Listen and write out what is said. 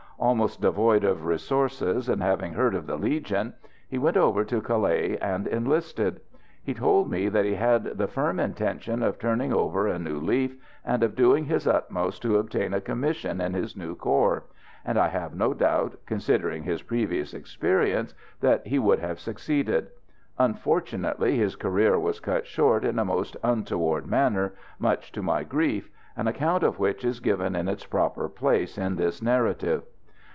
Almost devoid of resources, and having heard of the Legion, he went over to Calais and enlisted. He told me that he had the firm intention of turning over a new leaf and of doing his utmost to obtain a commission in his new corps, and I have no doubt, considering his previous experience, that he would have succeeded. Unfortunately, his career was cut short in a most untoward manner, much to my grief, an account of which is given in its proper place in this narrative.